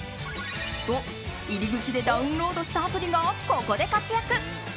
と、入り口でダウンロードしたアプリがここで活躍。